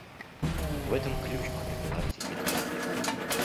В этом ключ к профилактике этого заболевания.